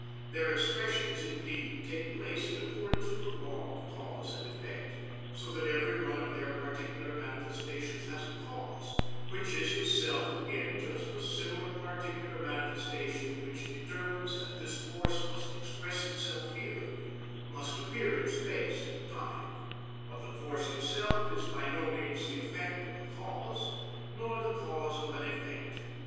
Their expressions, indeed, take place in accordance with the law of cause and effect, so that every one of their particular manifestations has a cause, which is itself again just a similar particular manifestation which determines that this force must express itself here, must appear in space and time; but the force itself is by no means the effect of a cause, nor the cause of an effect.